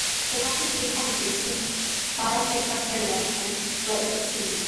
The cactus even packages symbiotic bacteria in with its seeds.